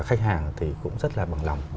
khách hàng thì cũng rất là bằng lòng